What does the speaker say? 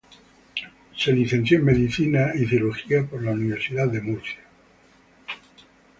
Se licenció en Medicina y Cirugía por la Universidad de Murcia.